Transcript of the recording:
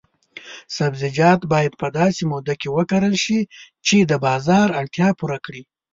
سبزیجات باید په داسې موده کې وکرل شي چې د بازار اړتیا پوره کړي.